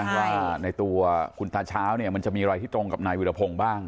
ว่าในตัวคุณตาเช้าเนี่ยมันจะมีอะไรที่ตรงกับนายวิรพงศ์บ้าง